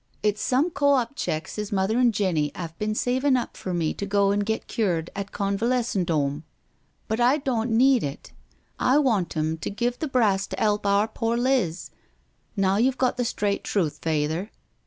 It's some Co op checks as mother an' Jenny 'ave bin savin' up for me to go IN THE BLACK COUNTRY 17 an* get cured at Convalescen* 'Ome— but I doan*t need it. I want *em to give the brass to 'elp our pore Liz. Now youVe got the straight truth, Fayther